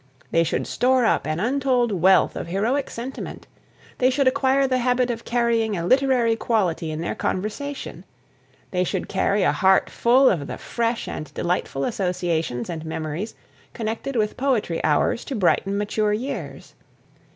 They should store up an untold wealth of heroic sentiment; they should acquire the habit of carrying a literary quality in their conversation; they should carry a heart full of the fresh and delightful associations and memories, connected with poetry hours to brighten mature years.